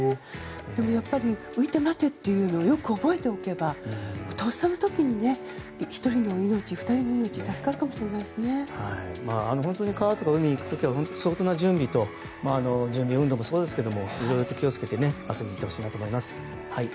でもやっぱり浮いてまて！というのをよく覚えておけばとっさの時に１人の命、２人の命が本当に川とか海に行く時は相当な準備と準備運動もそうですけどいろいろ気を付けて遊びに行ってほしいなと思います。